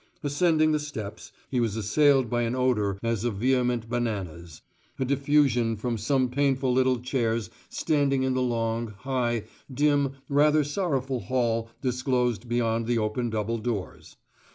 Ascending the steps, he was assailed by an odour as of vehement bananas, a diffusion from some painful little chairs standing in the long, high, dim, rather sorrowful hall disclosed beyond the open double doors.